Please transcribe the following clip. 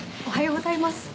おはようございます。